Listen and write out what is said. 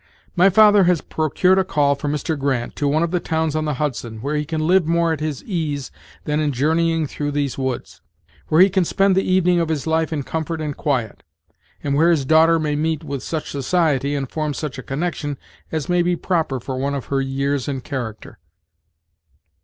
My father has procured a call for Mr. Grant, to one of the towns on the Hudson where he can live more at his ease than in journeying through these woods; where he can spend the evening of his life in comfort and quiet; and where his daughter may meet with such society, and form such a connection, as may be proper for one of her years and character."